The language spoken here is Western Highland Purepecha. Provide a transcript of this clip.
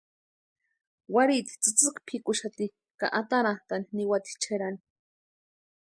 Warhiti tsïtsïki pʼikuxati ka atarantʼani niwati Cherani.